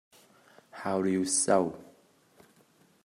How do you sew?